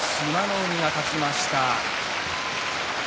海が勝ちました。